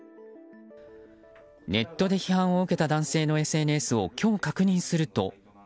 ネットで批判を受けた男性のＳＮＳを今日、確認すると。